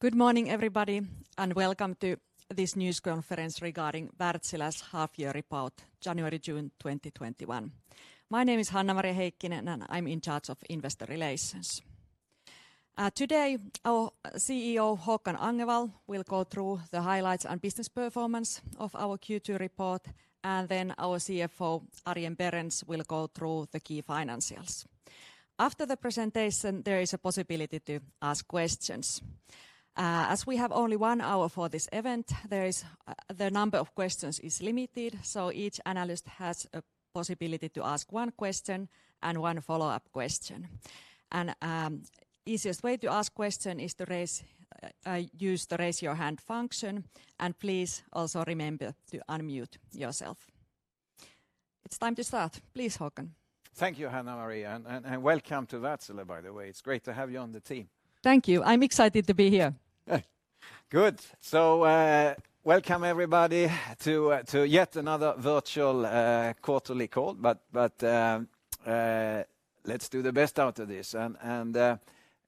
Good morning, everybody, welcome to this news conference regarding Wärtsilä's half year report, January to June 2021. My name is Hanna-Maria Heikkinen, I'm in charge of investor relations. Today, our CEO, Håkan Agnevall, will go through the highlights and business performance of our Q2 report. Our CFO, Arjen Berends, will go through the key financials. After the presentation, there is a possibility to ask questions. As we have only one hour for this event, the number of questions is limited. Each analyst has a possibility to ask one question and one follow-up question. Easiest way to ask question is to use the raise your hand function. Please also remember to unmute yourself. It's time to start. Please, Håkan. Thank you, Hanna-Maria, and welcome to Wärtsilä, by the way. It's great to have you on the team. Thank you. I'm excited to be here. Good. Welcome everybody to yet another virtual quarterly call, but let's do the best out of this.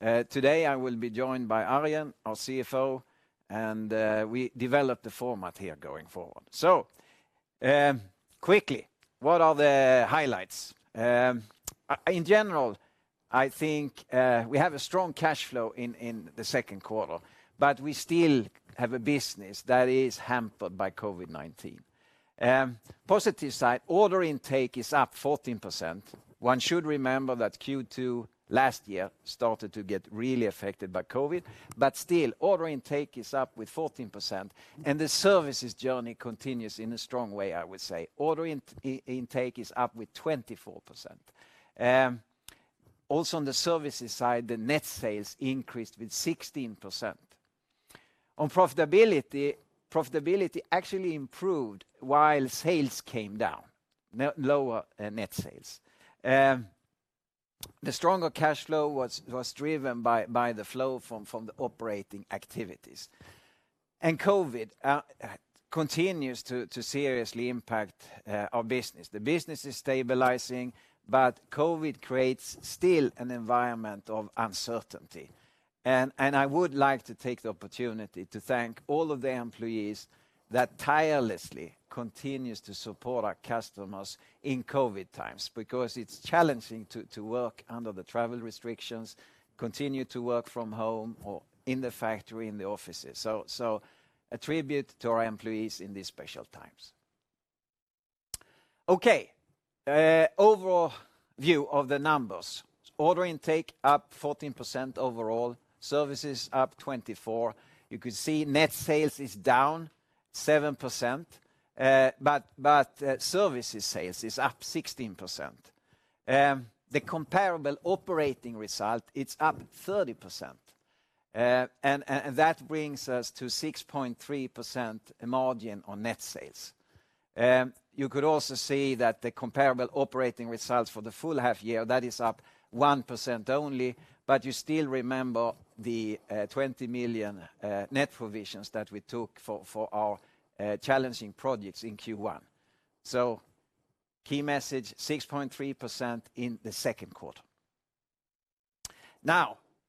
Today I will be joined by Arjen, our CFO, and we develop the format here going forward. Quickly, what are the highlights? In general, I think we have a strong cash flow in the second quarter, but we still have a business that is hampered by COVID-19. Positive side, order intake is up 14%. One should remember that Q2 last year started to get really affected by COVID, but still, order intake is up with 14%, and the services journey continues in a strong way, I would say. Order intake is up with 24%. Also on the services side, the net sales increased with 16%. On profitability actually improved while sales came down. Lower net sales. The stronger cash flow was driven by the flow from the operating activities. COVID continues to seriously impact our business. The business is stabilizing, but COVID creates still an environment of uncertainty. I would like to take the opportunity to thank all of the employees that tirelessly continues to support our customers in COVID times, because it's challenging to work under the travel restrictions, continue to work from home or in the factory, in the offices. A tribute to our employees in these special times. Okay. Overall view of the numbers. Order intake up 14% overall. Services up 24%. You could see net sales is down 7%, but services sales is up 16%. The comparable operating result, it's up 30%, and that brings us to 6.3% margin on net sales. You could also see that the comparable operating results for the full half year, that is up 1% only. You still remember the 20 million net provisions that we took for our challenging projects in Q1. Key message, 6.3% in the second quarter.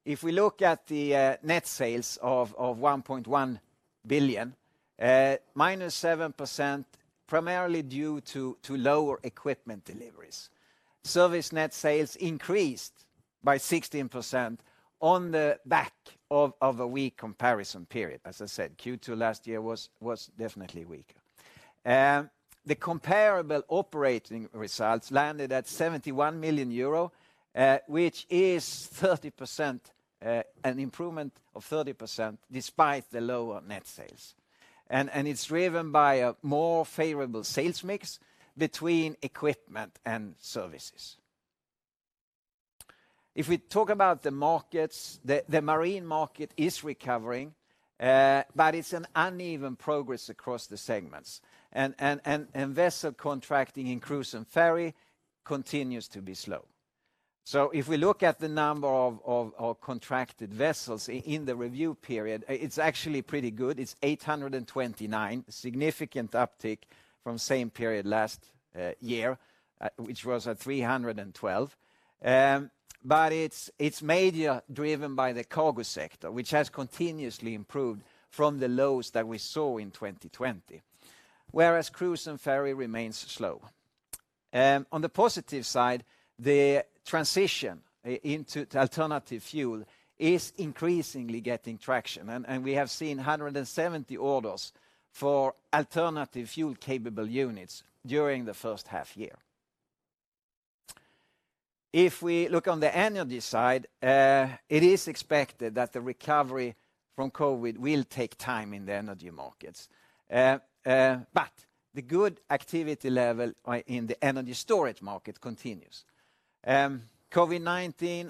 If we look at the net sales of 1.1 billion, -7%, primarily due to lower equipment deliveries. Service net sales increased by 16% on the back of a weak comparison period. As I said, Q2 last year was definitely weaker. The comparable operating results landed at 71 million euro, which is an improvement of 30%, despite the lower net sales. It's driven by a more favorable sales mix between equipment and services. If we talk about the markets, the marine market is recovering. It's an uneven progress across the segments. Vessel contracting in cruise and ferry continues to be slow. If we look at the number of contracted vessels in the review period, it's actually pretty good. It's 829, significant uptick from same period last year, which was at 312. It's major driven by the cargo sector, which has continuously improved from the lows that we saw in 2020, whereas cruise and ferry remains slow. On the positive side, the transition into alternative fuel is increasingly getting traction, and we have seen 170 orders for alternative fuel-capable units during the first half year. If we look on the energy side, it is expected that the recovery from COVID will take time in the energy markets. The good activity level in the energy storage market continues. COVID-19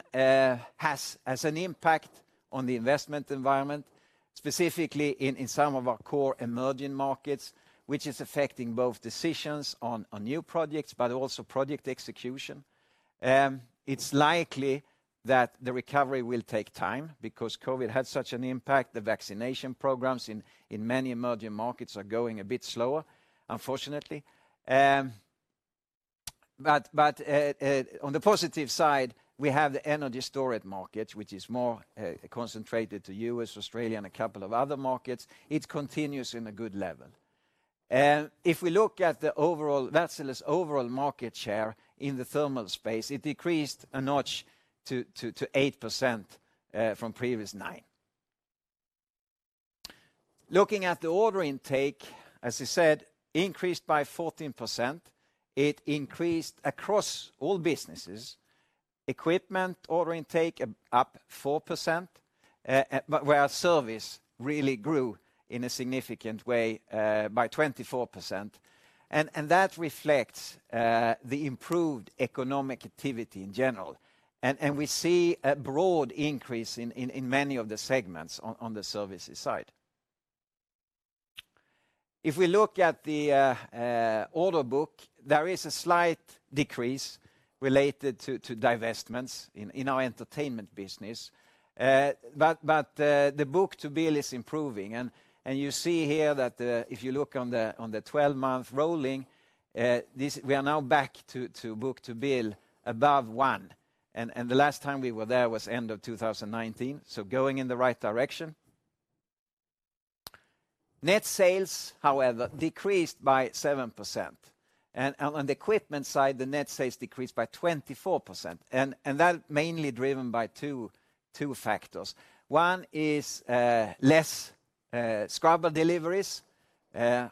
has an impact on the investment environment, specifically in some of our core emerging markets, which is affecting both decisions on new projects, but also project execution. It's likely that the recovery will take time because COVID had such an impact. The vaccination programs in many emerging markets are going a bit slower, unfortunately. On the positive side, we have the energy storage market, which is more concentrated to U.S., Australia, and a couple of other markets. It continues in a good level. If we look at Wärtsilä's overall market share in the thermal space, it decreased a notch to 8% from previous 9%. Looking at the order intake, as I said, increased by 14%, it increased across all businesses. Equipment order intake up 4%, where our service really grew in a significant way, by 24%. That reflects the improved economic activity in general. We see a broad increase in many of the segments on the services side. If we look at the order book, there is a slight decrease related to divestments in our entertainment business. The book-to-bill is improving, and you see here that if you look on the 12-month rolling, we are now back to book-to-bill above one, and the last time we were there was end of 2019, so going in the right direction. Net sales, however, decreased by 7%. On the equipment side, the net sales decreased by 24%. That mainly driven by two factors. One is less scrubber deliveries. On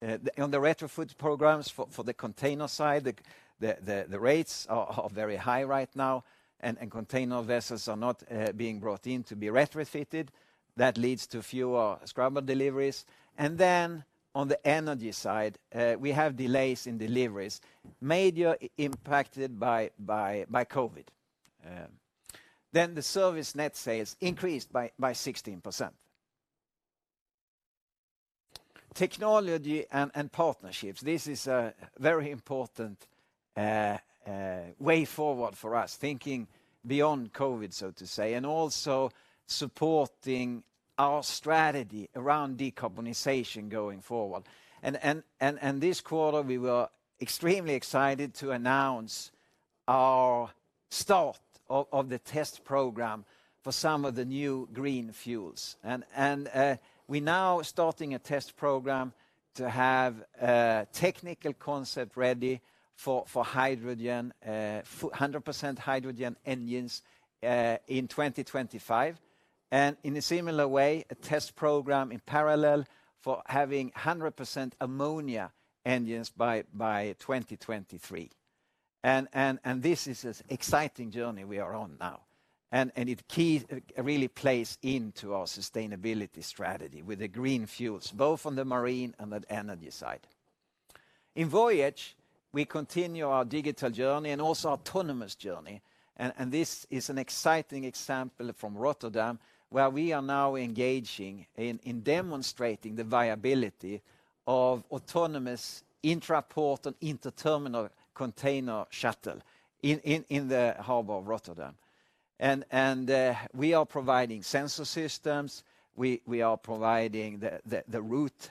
the retrofit programs for the container side, the rates are very high right now, and container vessels are not being brought in to be retrofitted. That leads to fewer scrubber deliveries. On the energy side, we have delays in deliveries, major impacted by COVID. The service net sales increased by 16%. Technology and partnerships. This is a very important way forward for us, thinking beyond COVID, so to say, also supporting our strategy around decarbonization going forward. This quarter, we were extremely excited to announce our start of the test program for some of the new green fuels. We're now starting a test program to have a technical concept ready for 100% hydrogen engines in 2025. In a similar way, a test program in parallel for having 100% ammonia engines by 2023. This is an exciting journey we are on now, and it really plays into our sustainability strategy with the green fuels, both on the marine and the energy side. In Voyage, we continue our digital journey and also autonomous journey. This is an exciting example from Rotterdam, where we are now engaging in demonstrating the viability of autonomous intra-port and inter-terminal container shuttle in the harbor of Rotterdam. We are providing sensor systems, we are providing the route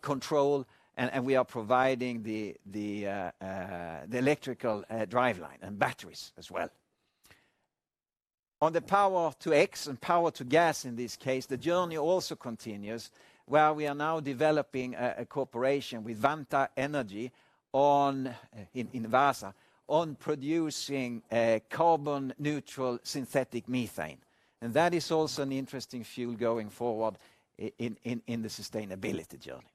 control, and we are providing the electrical driveline and batteries as well. On the Power to X and Power to Gas, in this case, the journey also continues, where we are now developing a cooperation with Vantaa Energy in Vaasa, on producing carbon-neutral synthetic methane. That is also an interesting fuel going forward in the sustainability journey.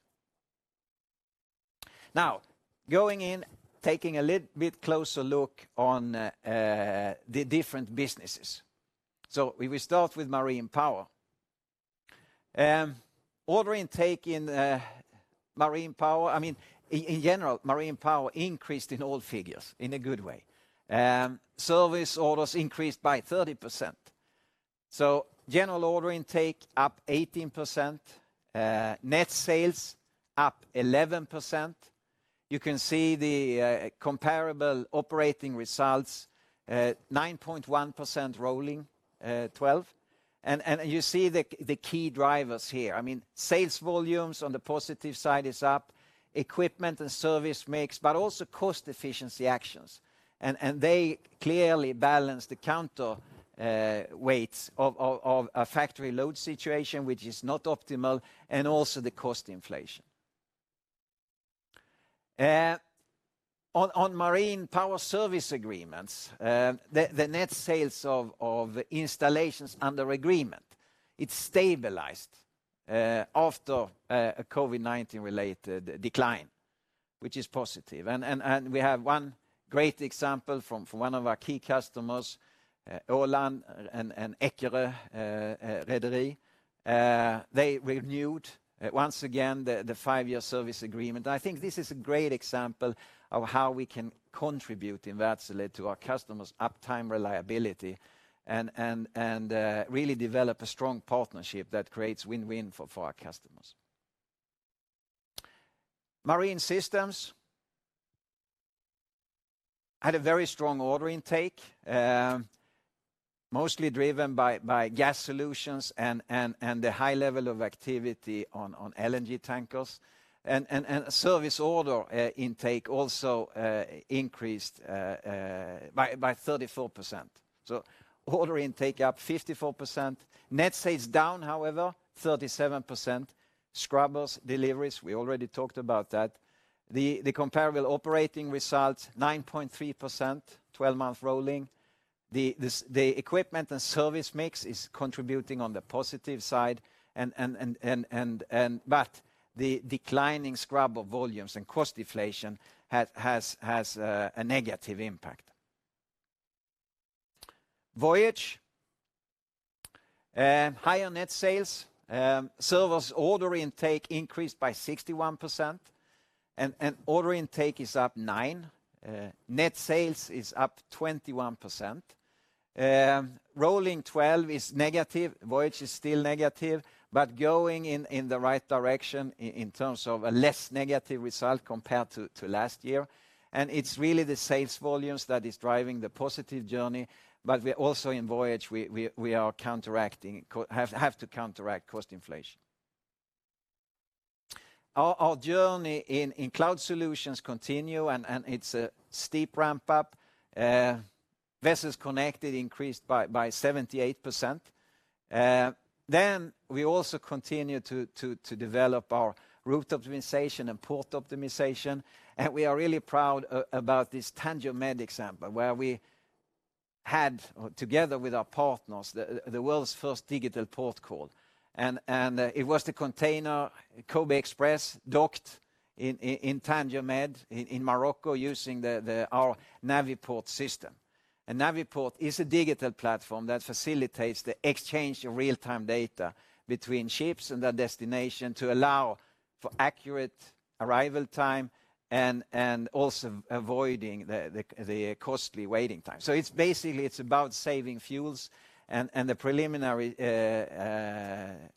Going in, taking a little bit closer look on the different businesses. We will start with Marine Power. Order intake in general, Marine Power increased in all figures in a good way. Service orders increased by 30%. General order intake up 18%, net sales up 11%. You can see the comparable operating results, 9.1% rolling 12. You see the key drivers here. Sales volumes on the positive side is up, equipment and service mix, but also cost efficiency actions. They clearly balance the counterweights of a factory load situation, which is not optimal, and also the cost inflation. On Marine Power service agreements, the net sales of installations under agreement, it stabilized after a COVID-19-related decline, which is positive. We have one great example from one of our key customers, Åland and Rederiaktiebolaget Eckerö. They renewed, once again, the five-year service agreement, and I think this is a great example of how we can contribute in Wärtsilä to our customers' uptime reliability, and really develop a strong partnership that creates win-win for our customers. Marine Systems. Had a very strong order intake, mostly driven by gas solutions and the high level of activity on LNG tankers. Service order intake also increased by 34%. Order intake up 54%. Net sales down, however, 37%. Scrubbers deliveries, we already talked about that. The comparable operating results, 9.3%, 12-month rolling. The equipment and service mix is contributing on the positive side, but the declining scrubber volumes and cost deflation has a negative impact. Voyage, higher net sales. Services order intake increased by 61%. Order intake is up 9%. Net sales is up 21%. Rolling 12 is negative. Voyage is still negative, but going in the right direction in terms of a less negative result compared to last year. It's really the sales volumes that is driving the positive journey, but we also in Voyage, have to counteract cost inflation. Our journey in cloud solutions continue. It's a steep ramp-up. Vessels connected increased by 78%. We also continue to develop our route optimization and port optimization. We are really proud about this Tangier Med example, where we had, together with our partners, the world's first digital port call. It was the container Kobe Express docked in Tangier Med in Morocco using our Navi-Port system. Navi-Port is a digital platform that facilitates the exchange of real-time data between ships and their destination to allow for accurate arrival time and also avoiding the costly waiting time. Basically, it's about saving fuels. The preliminary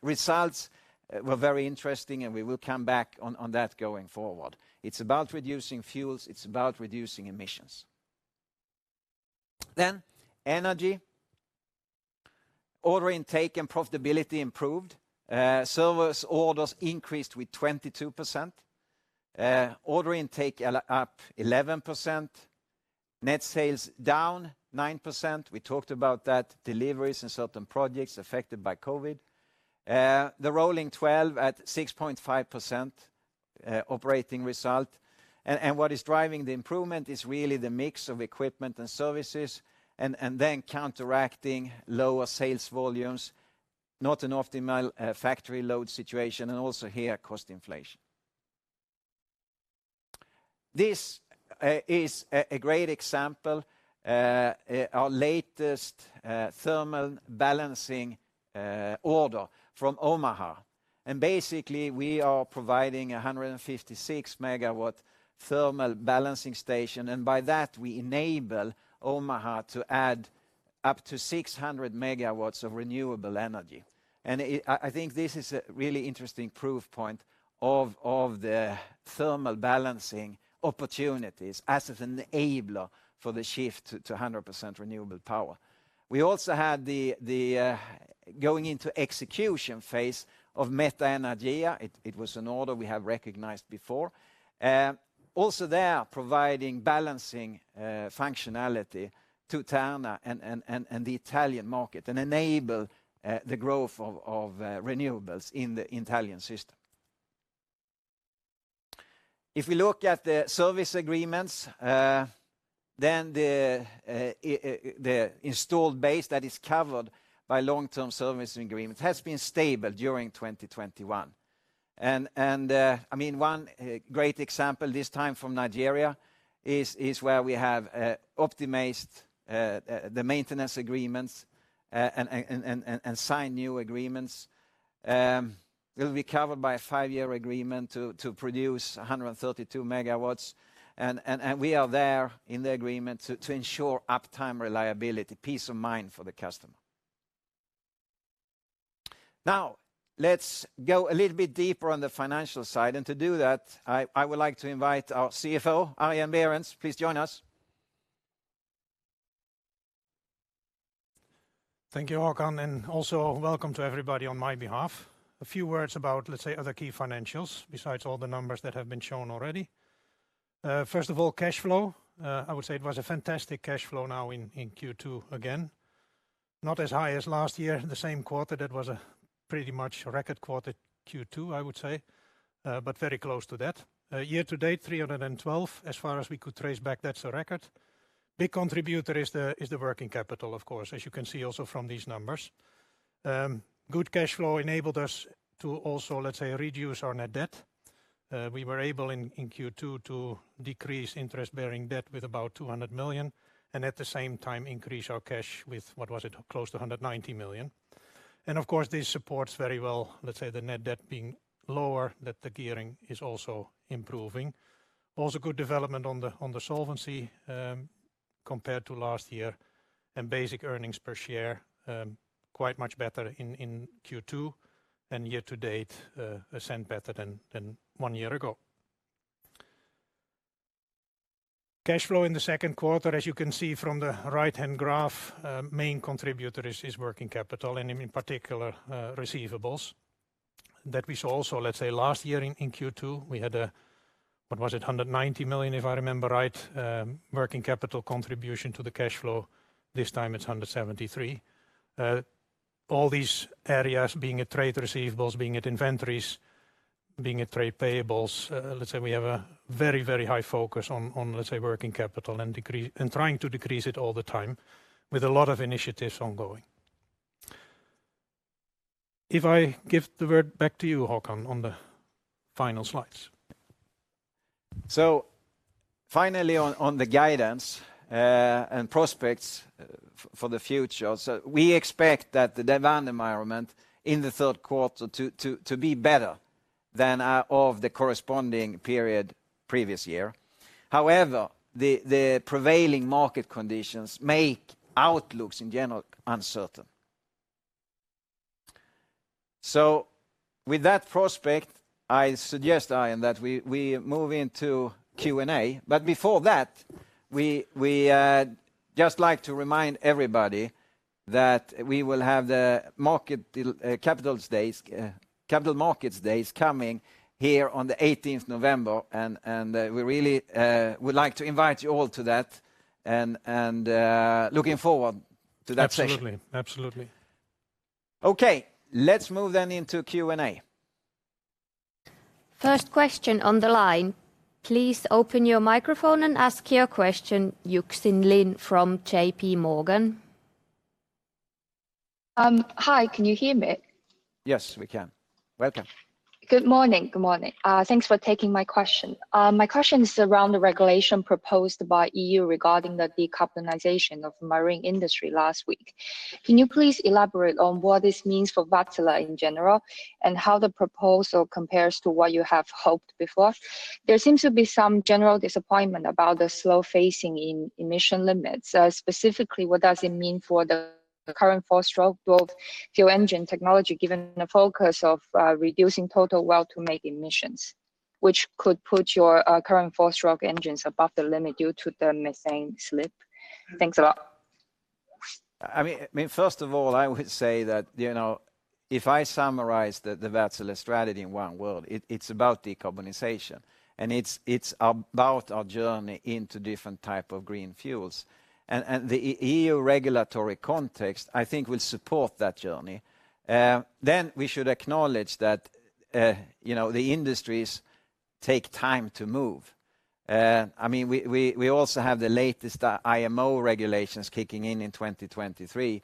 results were very interesting. We will come back on that going forward. It's about reducing fuels, it's about reducing emissions. Energy. Order intake and profitability improved. Services orders increased with 22%. Order intake up 11%. Net sales down 9%. We talked about that, deliveries and certain projects affected by COVID. The rolling 12 at 6.5% operating result. What is driving the improvement is really the mix of equipment and services and then counteracting lower sales volumes, not an optimal factory load situation, and also here, cost inflation. This is a great example, our latest thermal balancing order from Omaha. Basically, we are providing 156 MW thermal balancing station, and by that, we enable Omaha to add up to 600 MW of renewable energy. I think this is a really interesting proof point of the thermal balancing opportunities as an enabler for the shift to 100% renewable power. We also had the going into execution phase of Metaenergia. It was an order we have recognized before. There, providing balancing functionality to Terna and the Italian market and enable the growth of renewables in the Italian system. If we look at the service agreements, the installed base that is covered by long-term service agreement has been stable during 2021. One great example, this time from Nigeria, is where we have optimized the maintenance agreements and signed new agreements. It will be covered by a five-year agreement to produce 132 MW. We are there in the agreement to ensure uptime reliability, peace of mind for the customer. Let's go a little bit deeper on the financial side. To do that, I would like to invite our CFO, Arjen Berends. Please join us. Thank you, Håkan, also welcome to everybody on my behalf. A few words about, let's say, other key financials, besides all the numbers that have been shown already. First of all, cash flow. I would say it was a fantastic cash flow now in Q2, again. Not as high as last year in the same quarter. That was a pretty much record quarter, Q2, I would say, but very close to that. Year-to-date, 312 million, as far as we could trace back, that's a record. Big contributor is the working capital, of course, as you can see also from these numbers. Good cash flow enabled us to also, let's say, reduce our net debt. We were able in Q2 to decrease interest-bearing debt with about 200 million, and at the same time, increase our cash with, what was it? Close to 190 million. Of course, this supports very well, let's say, the net debt being lower, that the gearing is also improving. Also good development on the solvency, compared to last year. Basic earnings per share, quite much better in Q2 than year-to-date, EUR 0.01 better than one year ago. Cash flow in the second quarter, as you can see from the right-hand graph, main contributor is working capital and in particular, receivables that we saw also, let's say last year in Q2, we had, what was it? 190 million, if I remember right, working capital contribution to the cash flow. This time it's 173 million. All these areas, be it trade receivables, be it inventories, be it trade payables, let's say we have a very high focus on working capital and trying to decrease it all the time with a lot of initiatives ongoing. If I give the word back to you, Håkan, on the final slides. Finally, on the guidance and prospects for the future, we expect that the demand environment in the third quarter to be better than of the corresponding period previous year. However, the prevailing market conditions make outlooks in general uncertain. With that prospect, I suggest, Arjen, that we move into Q&A. Before that, we just like to remind everybody that we will have the Capital Markets Days coming here on the 18th November, and we really would like to invite you all to that, and looking forward to that session. Absolutely. Okay. Let's move then into Q&A. First question on the line. Please open your microphone and ask your question, Yuxin Lin from JPMorgan. Hi, can you hear me? Yes, we can. Welcome. Good morning. Thanks for taking my question. My question is around the regulation proposed by EU regarding the decarbonization of marine industry last week. Can you please elaborate on what this means for Wärtsilä in general, and how the proposal compares to what you have hoped before? There seems to be some general disappointment about the slow phasing in emission limits. Specifically, what does it mean for the current four-stroke green fuel engine technology, given the focus of reducing total well-to-wake emissions, which could put your current four-stroke engines above the limit due to the methane slip? Thanks a lot. First of all, I would say that, if I summarize the Wärtsilä strategy in one word, it's about decarbonization, and it's about our journey into different type of green fuels. The EU regulatory context, I think, will support that journey. We should acknowledge that the industries take time to move. We also have the latest IMO regulations kicking in in 2023.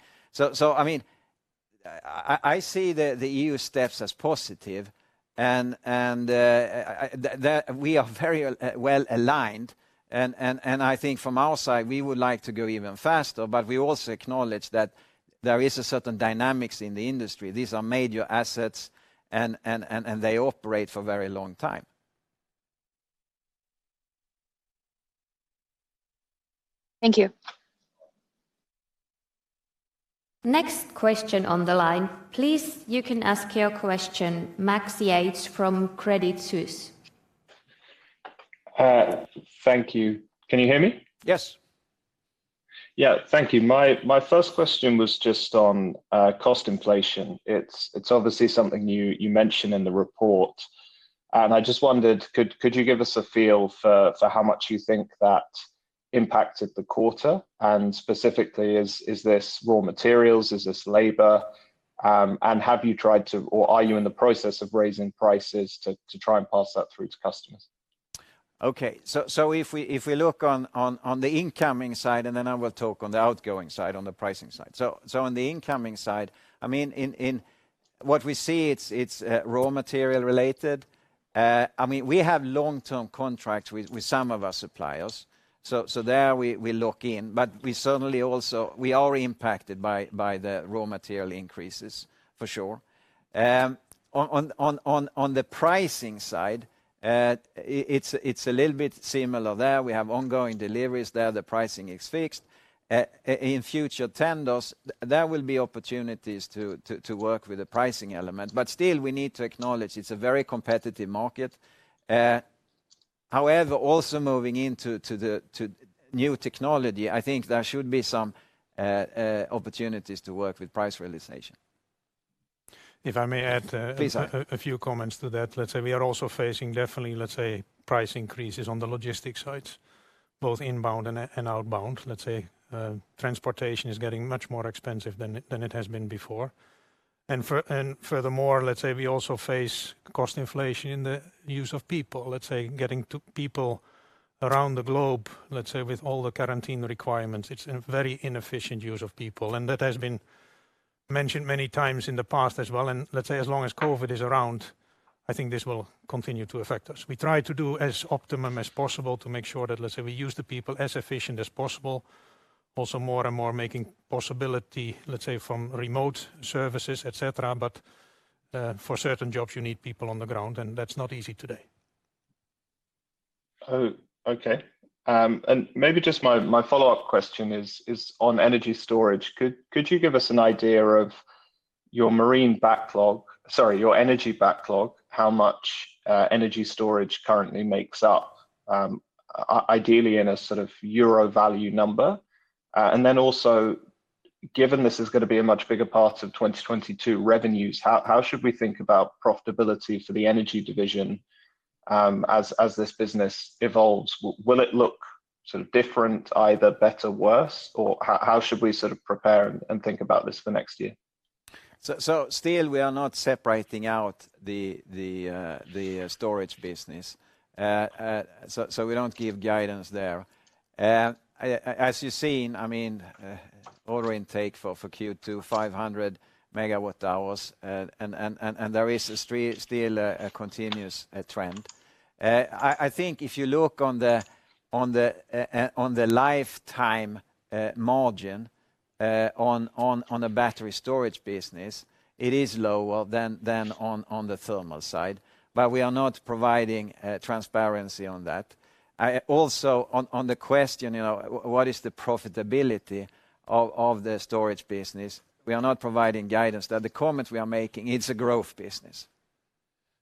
I see the EU steps as positive, and we are very well aligned. I think from our side, we would like to go even faster, but we also acknowledge that there is a certain dynamics in the industry. These are major assets, and they operate for very long time. Thank you. Next question on the line. Please, you can ask your question, Max Yates from Credit Suisse. Thank you. Can you hear me? Yes. Yeah. Thank you. My first question was just on cost inflation. It is obviously something you mention in the report, and I just wondered, could you give us a feel for how much you think that impacted the quarter? Specifically, is this raw materials? Is this labor? Have you tried to, or are you in the process of raising prices to try and pass that through to customers? If we look on the incoming side, and then I will talk on the outgoing side, on the pricing side. On the incoming side, what we see it's raw material related. We have long-term contracts with some of our suppliers, so there we lock in. We certainly also are impacted by the raw material increases for sure. On the pricing side, it's a little bit similar there. We have ongoing deliveries there. The pricing is fixed. In future tenders, there will be opportunities to work with the pricing element. Still, we need to acknowledge it's a very competitive market. However, also moving into new technology, I think there should be some opportunities to work with price realization. If I may add. Please A few comments to that. Let's say we are also facing definitely price increases on the logistics side, both inbound and outbound. Transportation is getting much more expensive than it has been before. Furthermore, we also face cost inflation in the use of people. Getting people around the globe with all the quarantine requirements, it's a very inefficient use of people. That has been mentioned many times in the past as well, and as long as COVID is around, I think this will continue to affect us. We try to do as optimum as possible to make sure that we use the people as efficient as possible. Also more and more making possibility from remote services, et cetera. For certain jobs, you need people on the ground, and that's not easy today. Oh, okay. Maybe just my follow-up question is on energy storage. Could you give us an idea of your energy backlog, how much energy storage currently makes up, ideally in a sort of euro value number? Also, given this is going to be a much bigger part of 2022 revenues, how should we think about profitability for the Energy division as this business evolves? Will it look sort of different, either better, worse, or how should we sort of prepare and think about this for next year? Still, we are not separating out the storage business. We don't give guidance there. As you've seen, order intake for Q2, 500 MWh. There is still a continuous trend. I think if you look on the lifetime margin on the battery storage business, it is lower than on the thermal side. We are not providing transparency on that. On the question, what is the profitability of the storage business? We are not providing guidance there. The comment we are making, it's a growth business.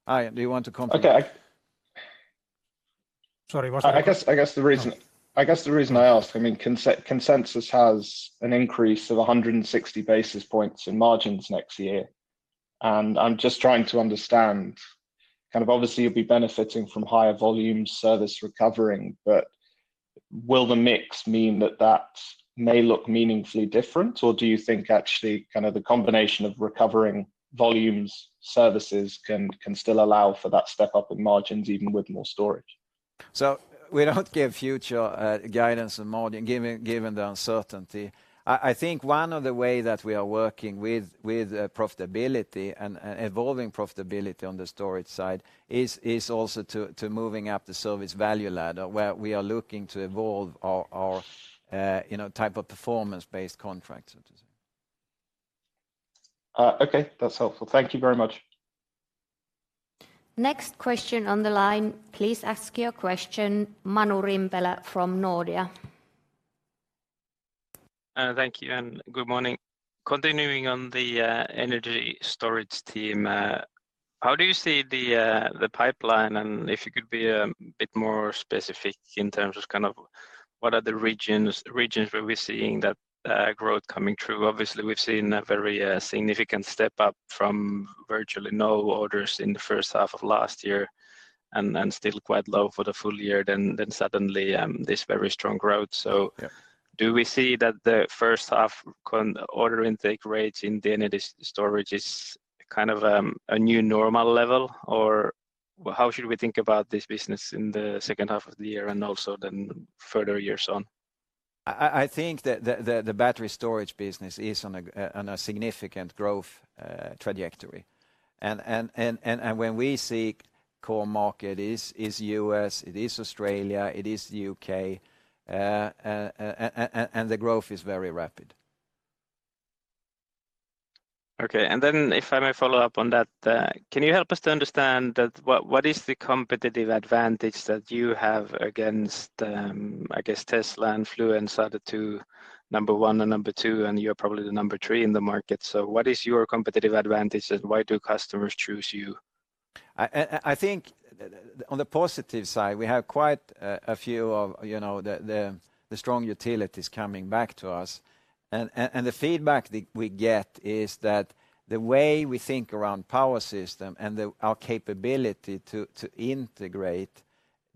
Arjen, do you want to comment? Okay. Sorry, what's that? I guess the reason I asked, consensus has an increase of 160 basis points in margins next year, and I'm just trying to understand kind of obviously you'll be benefiting from higher volume service recovering, but will the mix mean that that may look meaningfully different? Or do you think actually kind of the combination of recovering volumes, services can still allow for that step up in margins even with more storage? We don't give future guidance on margin given the uncertainty. I think one of the way that we are working with profitability and evolving profitability on the storage side is also to moving up the service value ladder, where we are looking to evolve our type of performance-based contract, so to say. Okay. That's helpful. Thank you very much. Next question on the line, please ask your question, Manu Rimpelä from Nordea. Thank you and good morning. Continuing on the energy storage team, how do you see the pipeline? If you could be a bit more specific in terms of what are the regions where we're seeing that growth coming through? Obviously, we've seen a very significant step up from virtually no orders in the first half of last year and still quite low for the full year, suddenly, this very strong growth. Yeah Do we see that the first half order intake rates in the energy storage is kind of a new normal level? Or how should we think about this business in the second half of the year and also then further years on? I think that the battery storage business is on a significant growth trajectory. When we see core market is U.S., it is Australia, it is the U.K., and the growth is very rapid. Okay. If I may follow up on that, can you help us to understand what is the competitive advantage that you have against, I guess Tesla and Fluence are the two, number one and number two, and you're probably the number three in the market. What is your competitive advantage and why do customers choose you? I think on the positive side, we have quite a few of the strong utilities coming back to us. The feedback that we get is that the way we think around power system and our capability to integrate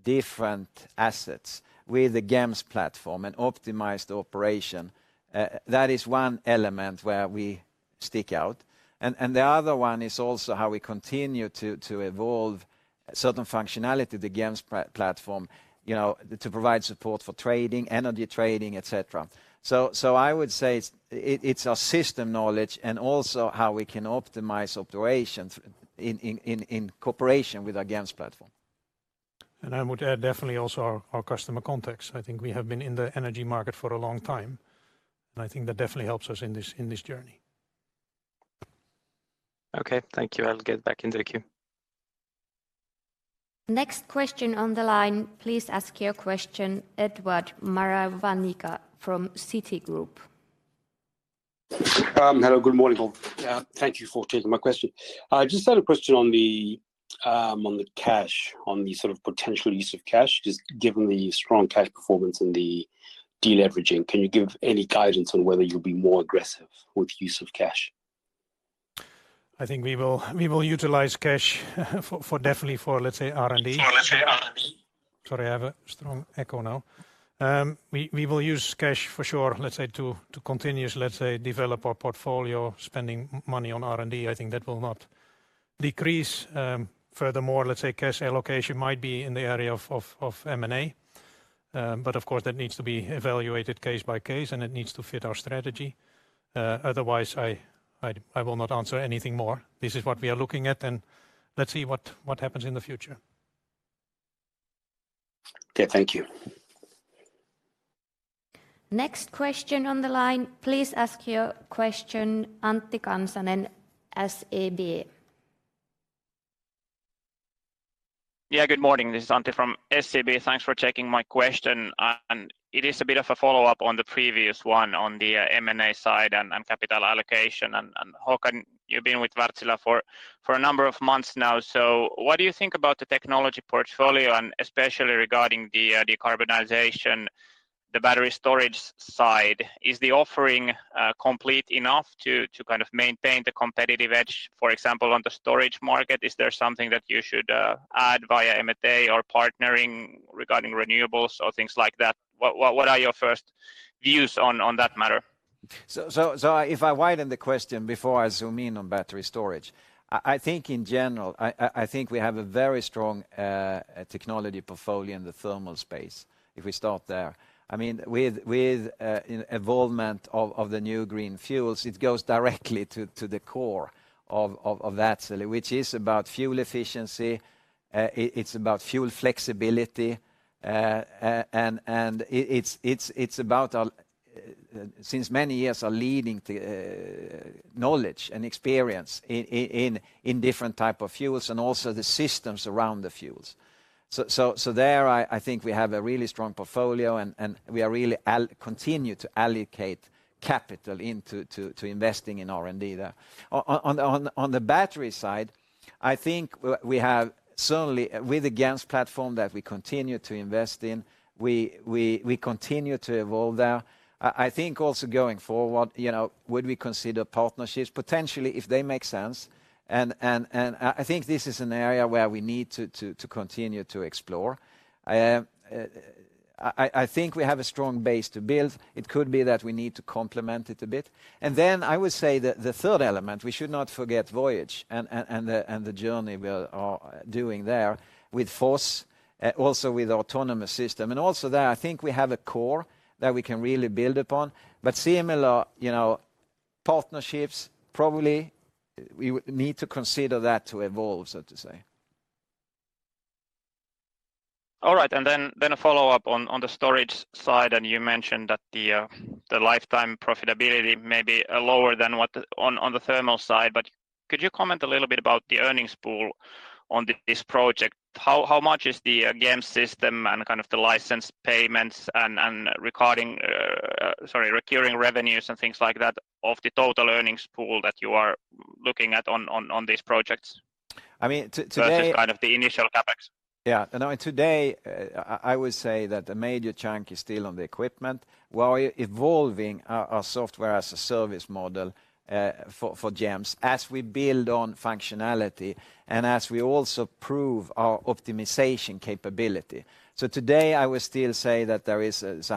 different assets with the GEMS platform and optimize the operation, that is one element where we stick out. The other one is also how we continue to evolve certain functionality of the GEMS platform to provide support for trading, energy trading, et cetera. I would say it's our system knowledge and also how we can optimize operations in cooperation with our GEMS platform. I would add definitely also our customer context. I think we have been in the energy market for a long time. I think that definitely helps us in this journey. Okay, thank you. I'll get back in the queue. Next question on the line, please ask your question, Edward Maravanyika from Citigroup. Hello, good morning all. Thank you for taking my question. I just had a question on the cash, on the sort of potential use of cash, just given the strong cash performance and the deleveraging. Can you give any guidance on whether you'll be more aggressive with use of cash? I think we will utilize cash definitely for, let's say, R&D. For let's say R&D. Sorry, I have a strong echo now. We will use cash for sure, to continuous develop our portfolio, spending money on R&D. I think that will not decrease. Furthermore, cash allocation might be in the area of M&A. Of course, that needs to be evaluated case by case, and it needs to fit our strategy. Otherwise, I will not answer anything more. This is what we are looking at, and let's see what happens in the future. Okay. Thank you. Next question on the line, please ask your question, Antti Kansanen, SEB. Yeah, good morning. This is Antti from SEB. Thanks for taking my question. It is a bit of a follow-up on the previous one on the M&A side and capital allocation. Håkan, you've been with Wärtsilä for a number of months now, so what do you think about the technology portfolio and especially regarding the decarbonization, the battery storage side? Is the offering complete enough to maintain the competitive edge, for example, on the storage market? Is there something that you should add via M&A or partnering regarding renewables or things like that? What are your first views on that matter? If I widen the question before I zoom in on battery storage. I think in general, we have a very strong technology portfolio in the thermal space, if we start there. With evolvement of the new green fuels, it goes directly to the core of Wärtsilä, which is about fuel efficiency, it's about fuel flexibility, and it's about, since many years, a leading knowledge and experience in different type of fuels and also the systems around the fuels. There, I think we have a really strong portfolio, and we are really continue to allocate capital into investing in R&D there. On the battery side, I think we have, certainly with the GEMS platform that we continue to invest in, we continue to evolve there. I think also going forward, would we consider partnerships? Potentially, if they make sense, I think this is an area where we need to continue to explore. I think we have a strong base to build. It could be that we need to complement it a bit. Then I would say that the third element, we should not forget Voyage and the journey we are doing there with FOS, also with autonomous system. Also there, I think we have a core that we can really build upon. Similar partnerships, probably we need to consider that to evolve, so to say. All right, a follow-up on the storage side, you mentioned that the lifetime profitability may be lower than on the thermal side, could you comment a little bit about the earnings pool on this project? How much is the GEMS system and kind of the license payments and recurring revenues and things like that, of the total earnings pool that you are looking at on these projects? I mean, Versus kind of the initial CapEx. Yeah. No, today, I would say that the major chunk is still on the equipment. We're evolving our software-as-a-service model, for GEMS, as we build on functionality and as we also prove our optimization capability. Today, I would still say that there is a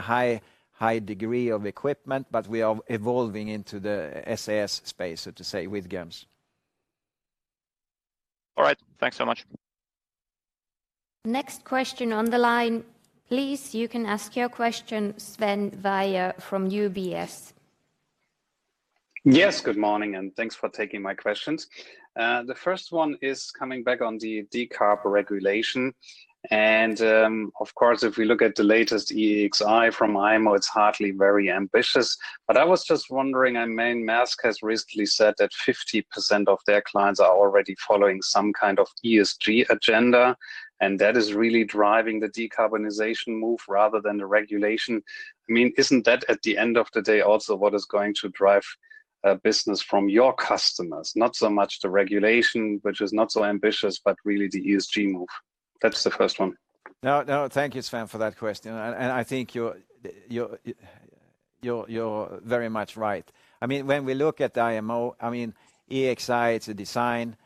high degree of equipment, but we are evolving into the SaaS space, so to say, with GEMS. All right. Thanks so much. Next question on the line, please. You can ask your question, Sven Weier from UBS. Yes, good morning, thanks for taking my questions. The first one is coming back on the decarb regulation. Of course, if we look at the latest EEXI from IMO, it's hardly very ambitious. I was just wondering, I mean, Maersk has recently said that 50% of their clients are already following some kind of ESG agenda. That is really driving the decarbonization move rather than the regulation. I mean, isn't that, at the end of the day, also what is going to drive business from your customers, not so much the regulation, which is not so ambitious, but really the ESG move? That's the first one. No, no. Thank you, Sven, for that question. I think you're very much right. When we look at the IMO, I mean, EEXI, it's a design.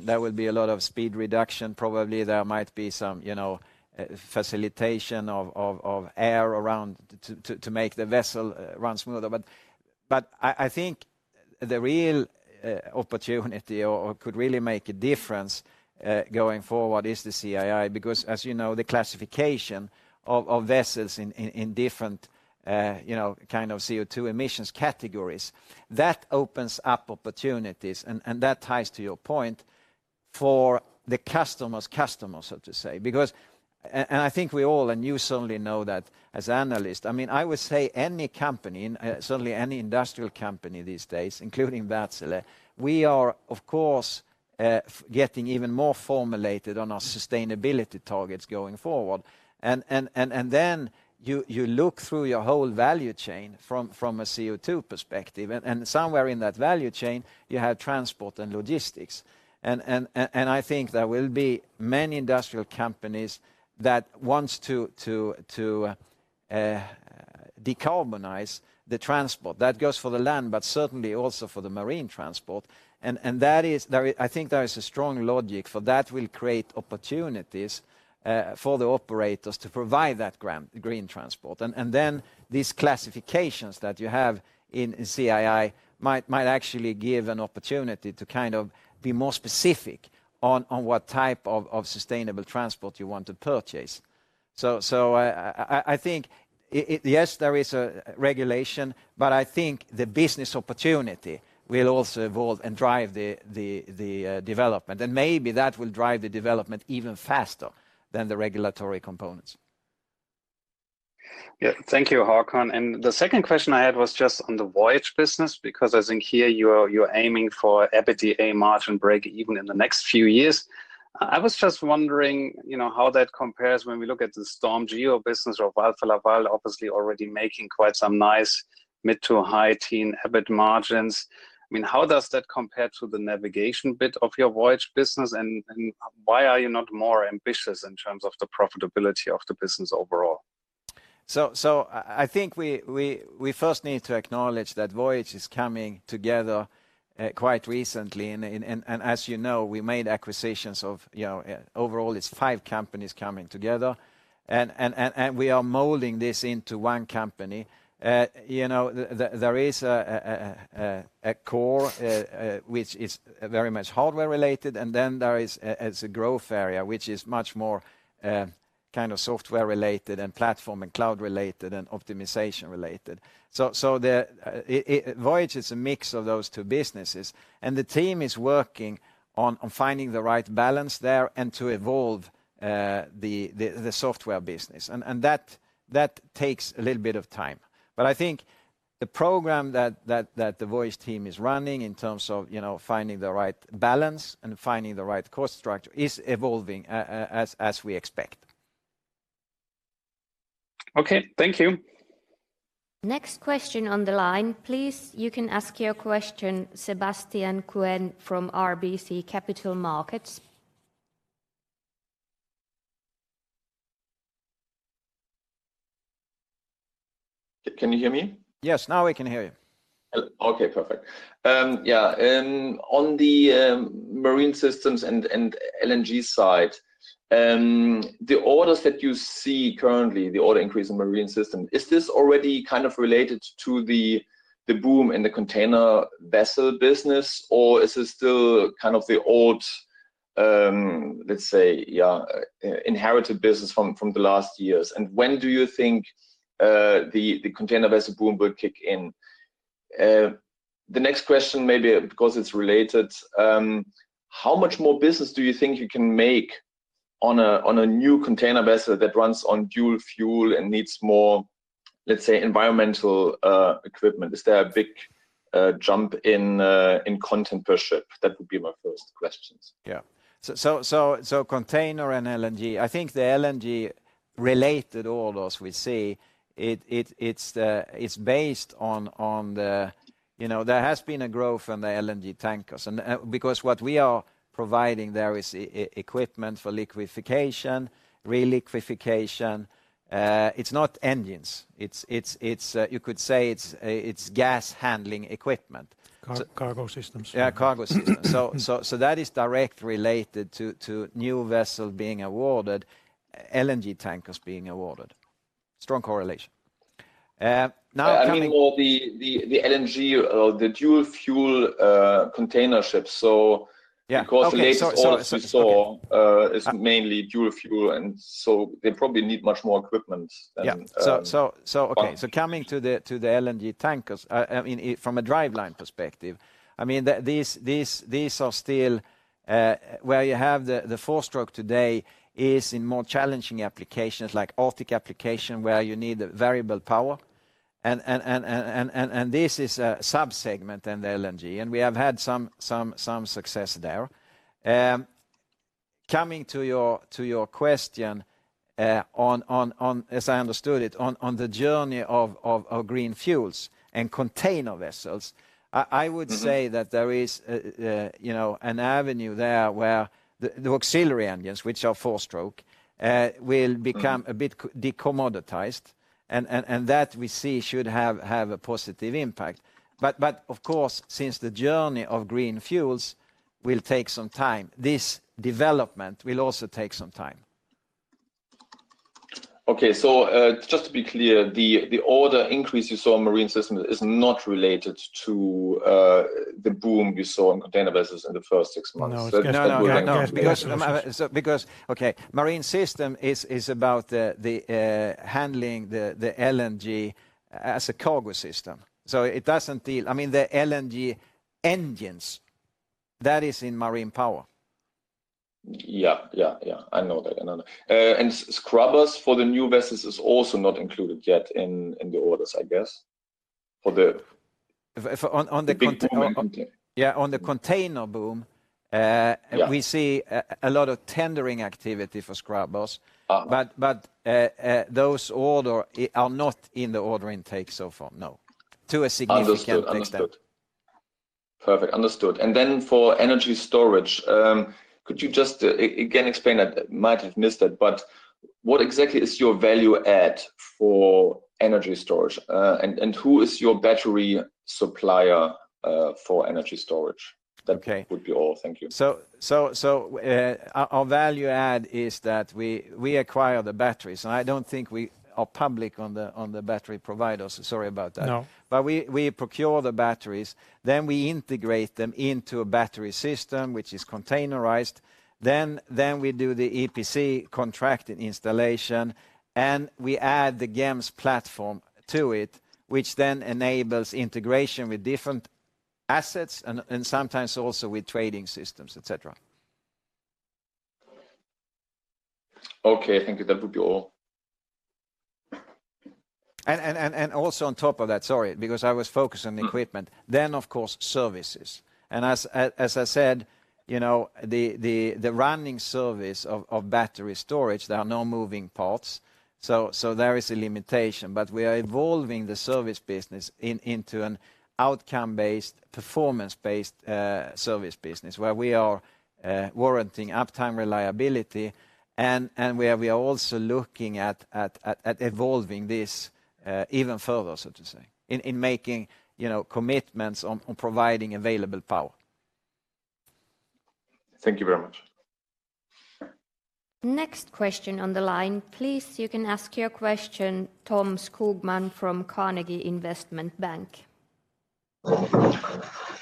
There will be a lot of speed reduction, probably. There might be some facilitation of air around to make the vessel run smoother. I think the real opportunity or could really make a difference, going forward, is the CII, because as you know, the classification of vessels in different kind of CO2 emissions categories, that opens up opportunities, and that ties to your point, for the customer's customer, so to say. I think we all, and you certainly know that as analysts, I mean, I would say any company, certainly any industrial company these days, including Wärtsilä, we are, of course, getting even more formulated on our sustainability targets going forward. You look through your whole value chain from a CO2 perspective, somewhere in that value chain, you have transport and logistics. I think there will be many industrial companies that want to decarbonize the transport. That goes for the land, but certainly also for the marine transport. I think there is a strong logic, for that will create opportunities for the operators to provide that green transport. Then these classifications that you have in CII might actually give an opportunity to kind of be more specific on what type of sustainable transport you want to purchase. I think, yes, there is a regulation, but I think the business opportunity will also evolve and drive the development, and maybe that will drive the development even faster than the regulatory components. Yeah. Thank you, Håkan. The second question I had was just on the Voyage business, because I think here you're aiming for EBITDA margin break even in the next few years. I was just wondering, how that compares when we look at the StormGeo business or Wärtsilä Val, obviously already making quite some nice mid to high teen EBIT margins. How does that compare to the navigation bit of your Voyage business, and why are you not more ambitious in terms of the profitability of the business overall? I think we first need to acknowledge that Voyage is coming together quite recently. As you know, we made acquisitions of, overall it's five companies coming together and we are molding this into one company. There is a core, which is very much hardware related, and then there is a growth area, which is much more software related and platform and cloud related and optimization related. Voyage is a mix of those two businesses, and the team is working on finding the right balance there and to evolve the software business. That takes a little bit of time. I think the program that the Voyage team is running in terms of finding the right balance and finding the right cost structure is evolving as we expect. Okay. Thank you. Next question on the line, please, you can ask your question, Sebastian Kuenne from RBC Capital Markets. Can you hear me? Yes. Now we can hear you. Okay. Perfect. Yeah. On the Marine Systems and LNG side, the orders that you see currently, the order increase in Marine Systems, is this already related to the boom in the container vessel business, or is it still the old, let's say, inherited business from the last years? When do you think the container vessel boom will kick in? The next question may be because it's related, how much more business do you think you can make on a new container vessel that runs on dual-fuel and needs more, let's say, environmental equipment? Is there a big jump in content per ship? That would be my first questions. Yeah. Container and LNG, I think the LNG related orders we see, it's based on There has been a growth in the LNG tankers. What we are providing there is equipment for liquefaction, re-liquefaction. It's not engines. You could say it's gas handling equipment. Cargo systems. Yeah, cargo systems. That is directly related to new vessel being awarded, LNG tankers being awarded. Strong correlation. I mean more the LNG or the dual-fuel container ships. Yeah. Okay. because late orders we saw is mainly dual fuel, they probably need much more equipment. Coming to the LNG tankers, from a driveline perspective, these are still where you have the four-stroke today is in more challenging applications like Arctic application where you need variable power. This is a sub-segment in the LNG, and we have had some success there. Coming to your question, as I understood it, on the journey of green fuels and container vessels, I would say that there is an avenue there where the auxiliary engines, which are four-stroke, will become a bit decommoditized, and that we see should have a positive impact. Since the journey of green fuels will take some time, this development will also take some time. Okay. Just to be clear, the order increase you saw in Marine Systems is not related to the boom you saw in container vessels in the first six months. No. No. Because Marine Systems is about the handling the LNG as a cargo system. It doesn't deal. The LNG engines, that is in Marine Power. Yeah. I know that. Scrubbers for the new vessels is also not included yet in the orders, I guess? On the- big boom in container yeah, on the container boom. Yeah We see a lot of tendering activity for scrubbers. Those order are not in the order intake so far, no. To a significant extent. Understood. Perfect. Understood. For energy storage, could you just, again, explain that? Might have missed it, but what exactly is your value add for energy storage? Who is your battery supplier for energy storage? Okay. That would be all. Thank you. Our value add is that we acquire the batteries, and I don't think we are public on the battery providers, sorry about that. No. We procure the batteries, then we integrate them into a battery system, which is containerized. We do the EPC contracted installation, and we add the GEMS platform to it, which then enables integration with different assets and sometimes also with trading systems, et cetera. Okay. Thank you. That would be all. Also on top of that, sorry, because I was focused on the equipment, then of course, services. As I said, the running service of battery storage, there are no moving parts, so there is a limitation. We are evolving the service business into an outcome-based, performance-based service business, where we are warranting uptime reliability, and where we are also looking at evolving this even further, so to say, in making commitments on providing available power. Thank you very much. Next question on the line, please, you can ask your question, Tom Skogman from Carnegie Investment Bank.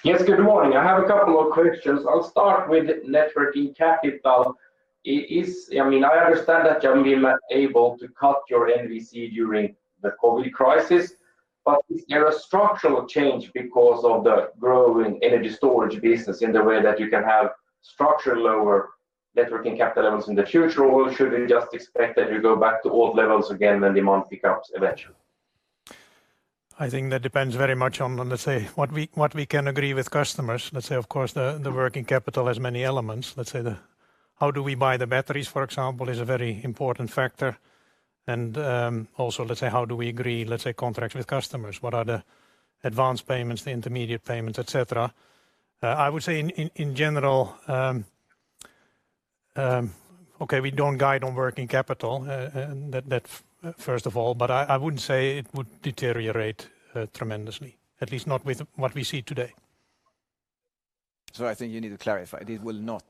Yes, good morning. I have a couple of questions. I'll start with Net Working Capital. I understand that you have been able to cut your NWC during the COVID crisis, is there a structural change because of the growing energy storage business in the way that you can have structural lower Net Working Capital levels in the future, or should we just expect that you go back to old levels again when demand picks up eventually? I think that depends very much on, let's say, what we can agree with customers. Let's say, of course, the working capital has many elements. Let's say, how do we buy the batteries, for example, is a very important factor. Also, let's say, how do we agree, let's say, contracts with customers? What are the advance payments, the intermediate payments, et cetera? I would say, in general, we don't guide on working capital, that's first of all, but I wouldn't say it would deteriorate tremendously, at least not with what we see today. I think you need to clarify. It will not.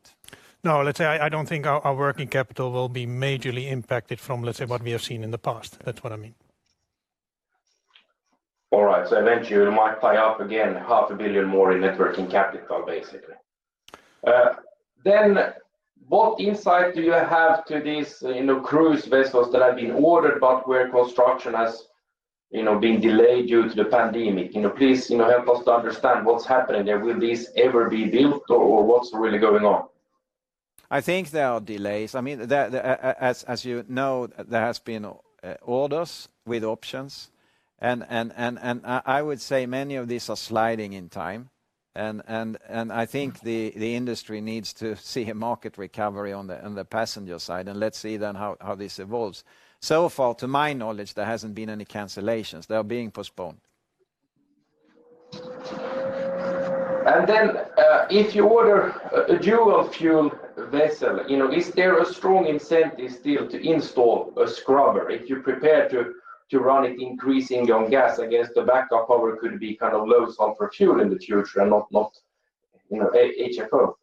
No, let's say, I don't think our working capital will be majorly impacted from, let's say, what we have seen in the past. That's what I mean. All right. Eventually it might tie up again, 0.5 billion more in net working capital, basically. What insight do you have to these cruise vessels that have been ordered but where construction has been delayed due to the pandemic? Please help us to understand what's happening there. Will these ever be built, or what's really going on? I think there are delays. As you know, there have been orders with options. I would say many of these are sliding in time. I think the industry needs to see a market recovery on the passenger side, and let's see then how this evolves. So far, to my knowledge, there hasn't been any cancellations. They are being postponed. Then, if you order a dual-fuel vessel, is there a strong incentive still to install a scrubber if you're prepared to run it increasing on gas? I guess the backup power could be low sulfur fuel in the future and not HFO.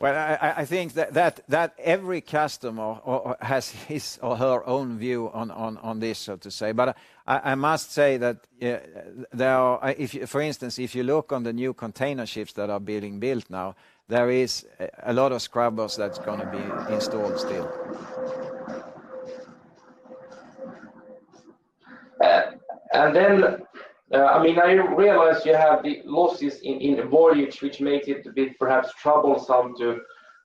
Well, I think that every customer has his or her own view on this, so to say. I must say that, for instance, if you look on the new container ships that are being built now, there is a lot of scrubbers that's going to be installed still. I realize you have the losses in Voyage, which makes it a bit perhaps troublesome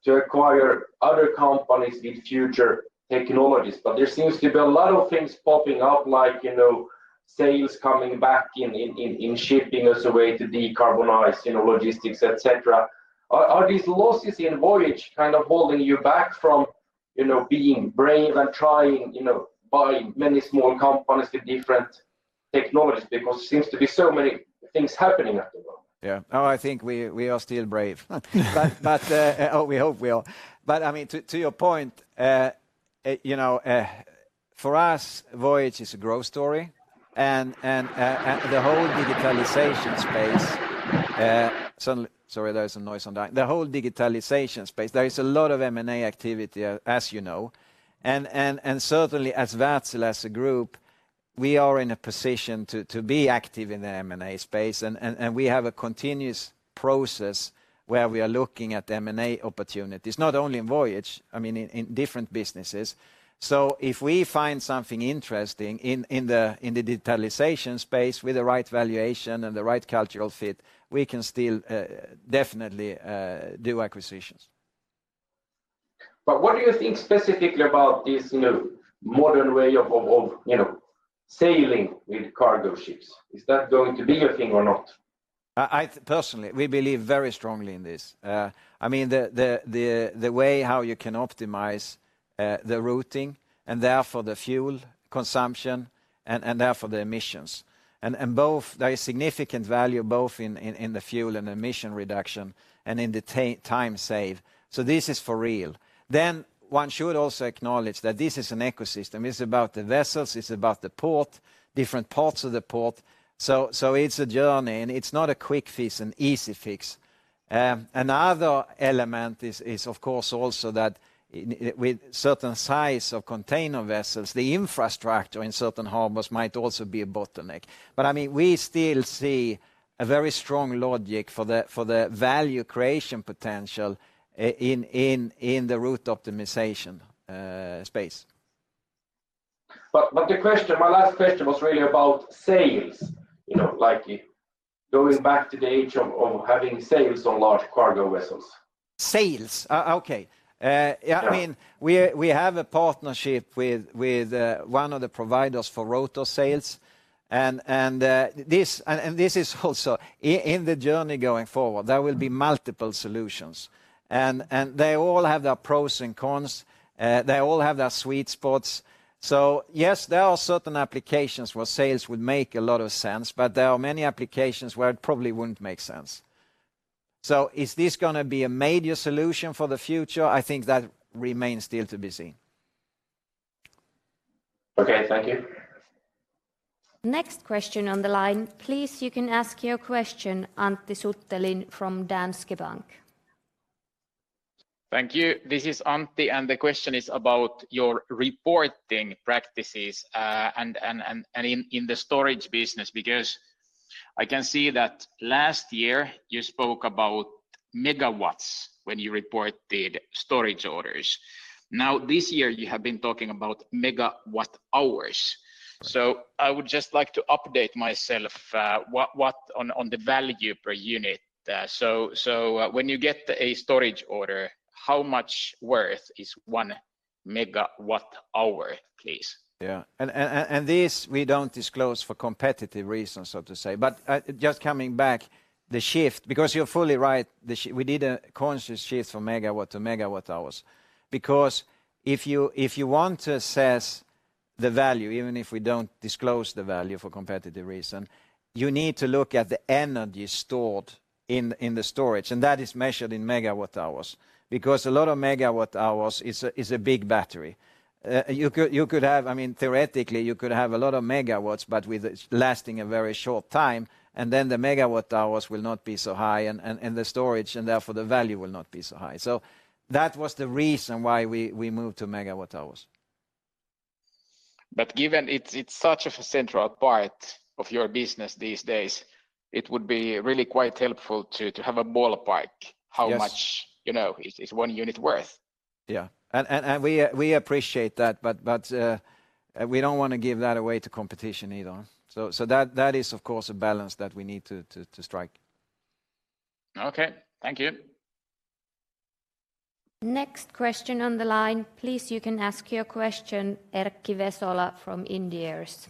to acquire other companies with future technologies. There seems to be a lot of things popping up, like sales coming back in shipping as a way to decarbonize, logistics, et cetera. Are these losses in Voyage holding you back from being brave and trying, buying many small companies with different technologies? It seems to be so many things happening at the moment. Yeah. Oh, I think we are still brave. We hope we are. To your point, for us, Voyage is a growth story, and the whole digitalization space. Sorry, there was some noise on that. The whole digitalization space, there is a lot of M&A activity, as you know. Certainly as Wärtsilä, as a group, we are in a position to be active in the M&A space, and we have a continuous process where we are looking at M&A opportunities, not only in Voyage, in different businesses. If we find something interesting in the digitalization space with the right valuation and the right cultural fit, we can still definitely do acquisitions. What do you think specifically about this modern way of sailing with cargo ships? Is that going to be a thing or not? Personally, we believe very strongly in this. The way how you can optimize the routing, and therefore the fuel consumption, and therefore the emissions. There is significant value both in the fuel and emission reduction and in the time saved. This is for real. One should also acknowledge that this is an ecosystem. It's about the vessels, it's about the port, different parts of the port. It's a journey, and it's not a quick fix and easy fix. Another element is, of course, also that with certain size of container vessels, the infrastructure in certain harbors might also be a bottleneck. We still see a very strong logic for the value creation potential in the route optimization space. My last question was really about sails. Going back to the age of having sails on large cargo vessels. Sails? Okay. Yeah. We have a partnership with one of the providers for rotor sails. This is also in the journey going forward, there will be multiple solutions. They all have their pros and cons, they all have their sweet spots. Yes, there are certain applications where sails would make a lot of sense, but there are many applications where it probably wouldn't make sense. Is this going to be a major solution for the future? I think that remains still to be seen. Okay. Thank you. Next question on the line, please you can ask your question, Antti Suttelin from Danske Bank. Thank you. This is Antti. The question is about your reporting practices and in the storage business, because I can see that last year you spoke about megawatts when you reported storage orders. Now, this year you have been talking about megawatt hours. I would just like to update myself, what on the value per unit. When you get a storage order, how much worth is 1 MWh, please? Yeah. This, we don't disclose for competitive reasons, so to say, but just coming back, the shift, because you're fully right. We did a conscious shift from megawatt to megawatt hours. If you want to assess the value, even if we don't disclose the value for competitive reasons, you need to look at the energy stored in the storage. That is measured in megawatt hours. A lot of megawatt hours is a big battery. Theoretically, you could have a lot of megawatts, but with it lasting a very short time, and then the megawatt hours will not be so high and the storage, and therefore the value will not be so high. That was the reason why we moved to megawatt hours. Given it's such a central part of your business these days, it would be really quite helpful to have a ballpark. Yes How much is one unit worth? Yeah. We appreciate that, but we don't want to give that away to competition either. That is of course a balance that we need to strike. Okay. Thank you. Next question on the line, please. You can ask your question, Erkki Vesola from Inderes.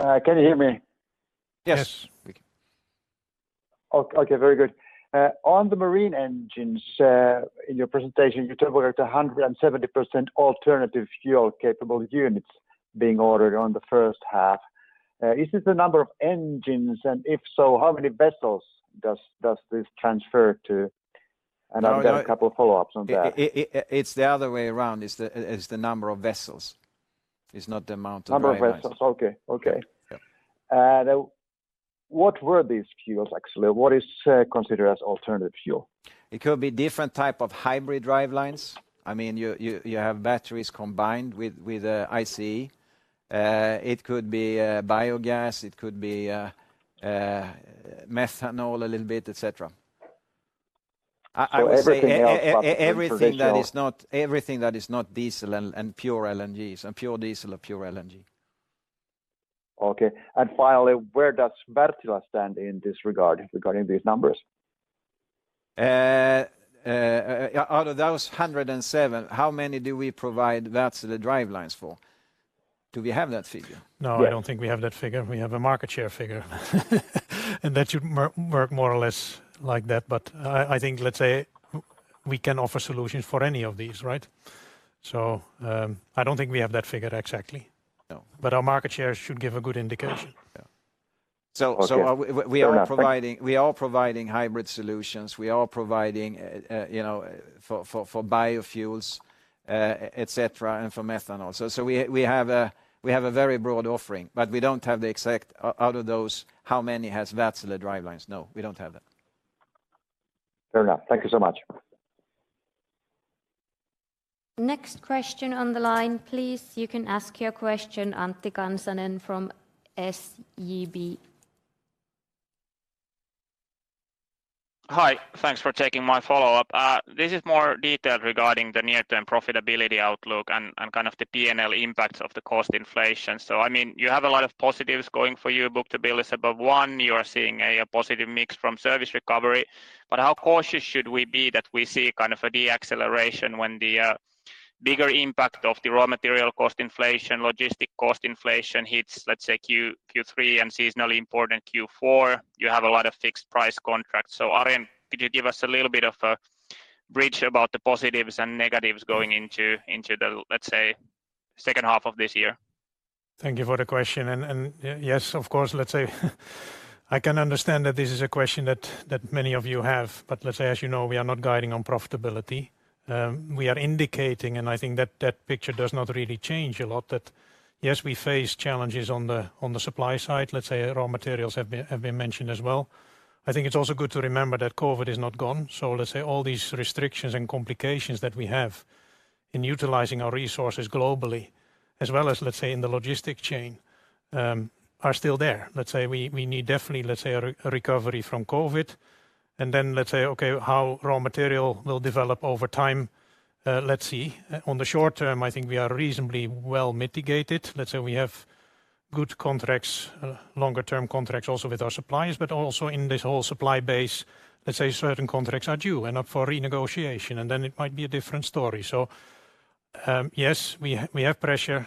Can you hear me? Yes. Yes, we can. Okay. Very good. On the marine engines, in your presentation, you talked about a 170% alternative fuel-capable units being ordered on the first half. Is this the number of engines, and if so, how many vessels does this transfer to? I've got a couple follow-ups on that. It's the other way around. It's the number of vessels. It's not the amount of drivelines. Number of vessels. Okay. Yeah. What were these fuels actually? What is considered as alternative fuel? It could be different type of hybrid drivelines. You have batteries combined with ICE. It could be biogas, it could be methanol a little bit, et cetera. Everything else but the traditional. Everything that is not diesel and pure LNG. Pure diesel or pure LNG. Okay. Finally, where does Wärtsilä stand in this regard regarding these numbers? Out of those 107, how many do we provide Wärtsilä drivelines for? Do we have that figure? No, I don't think we have that figure. We have a market share figure. That should work more or less like that. I think, let's say we can offer solutions for any of these, right? I don't think we have that figure exactly. No. Our market share should give a good indication. Yeah. Okay. So- Fair enough. Thank you. We are providing hybrid solutions, we are providing for biofuels, et cetera, and for methanol. We have a very broad offering, but we don't have the exact out of those, how many has Wärtsilä drivelines. No, we don't have that. Fair enough. Thank you so much. Next question on the line, please you can ask your question, Antti Kansanen from SEB. Hi. Thanks for taking my follow-up. This is more detailed regarding the near-term profitability outlook and kind of the P&L impacts of the cost inflation. You have a lot of positives going for you, book-to-bill is above one, you are seeing a positive mix from service recovery, but how cautious should we be that we see a de-acceleration when the bigger impact of the raw material cost inflation, logistic cost inflation hits, let's say Q3 and seasonally important Q4, you have a lot of fixed price contracts. Arjen, could you give us a little bit of a bridge about the positives and negatives going into the, let's say, second half of this year? Thank you for the question. Yes, of course, let's say I can understand that this is a question that many of you have, but let's say as you know, we are not guiding on profitability. We are indicating, and I think that that picture does not really change a lot, that yes, we face challenges on the supply side. Let's say raw materials have been mentioned as well. I think it's also good to remember that COVID-19 is not gone, so let's say all these restrictions and complications that we have in utilizing our resources globally, as well as in the logistic chain, are still there. We need definitely a recovery from COVID-19. Then, how raw material will develop over time, let's see. On the short term, I think we are reasonably well mitigated. We have good contracts, longer term contracts also with our suppliers, but also in this whole supply base, certain contracts are due and up for renegotiation, and then it might be a different story. Yes, we have pressure.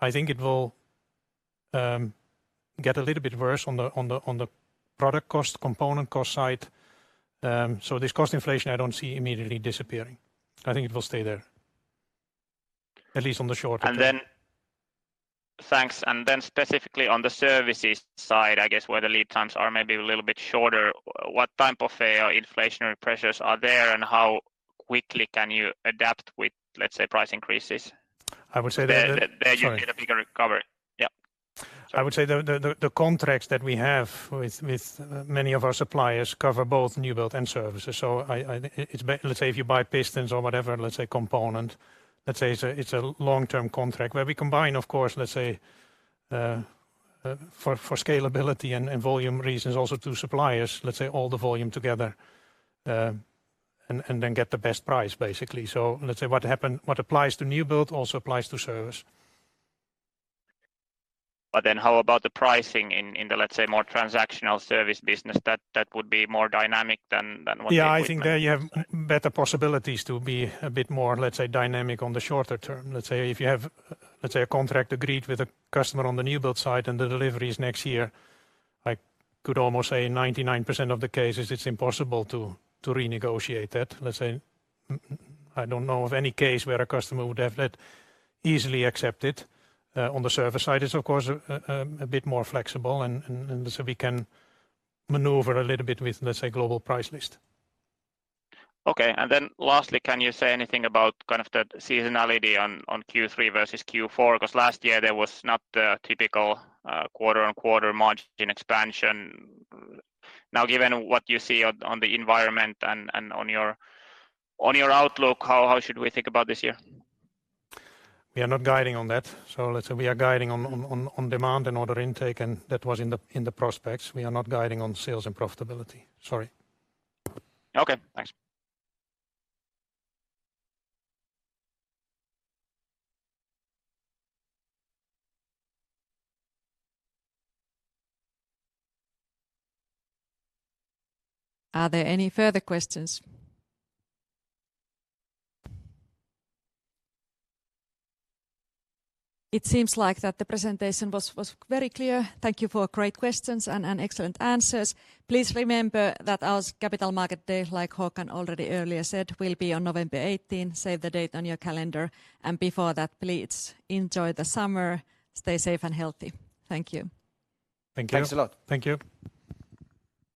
I think it will get a little bit worse on the product cost, component cost side. This cost inflation, I don't see immediately disappearing. I think it will stay there, at least on the short term. And then, thanks. Specifically on the services side, I guess where the lead times are maybe a little bit shorter, what type of inflationary pressures are there and how quickly can you adapt with price increases? I would say that- There you need a bigger recovery. Yeah. I would say the contracts that we have with many of our suppliers cover both new build and services. I think, if you buy pistons or whatever component, it's a long-term contract where we combine, of course, for scalability and volume reasons also to suppliers, all the volume together, and then get the best price, basically. What applies to new build also applies to service. How about the pricing in the more transactional service business that would be more dynamic than what you? Yeah, I think there you have better possibilities to be a bit more dynamic on the shorter term. If you have a contract agreed with a customer on the new build side and the delivery is next year, I could almost say 99% of the cases, it's impossible to renegotiate that. I don't know of any case where a customer would have that easily accepted. On the service side, it's of course, a bit more flexible and so we can maneuver a little bit with the global price list. Lastly, can you say anything about kind of the seasonality on Q3 versus Q4? Last year there was not a typical quarter-on-quarter margin expansion. Given what you see on the environment and on your outlook, how should we think about this year? We are not guiding on that. Let's say we are guiding on demand and order intake, and that was in the prospects. We are not guiding on sales and profitability. Sorry. Okay, thanks. Are there any further questions? It seems like that the presentation was very clear. Thank you for great questions and excellent answers. Please remember that our Capital Markets Days, like Håkan already earlier said, will be on November 18. Save the date on your calendar. Before that, please enjoy the summer, stay safe and healthy. Thank you. Thank you. Thanks a lot. Thank you.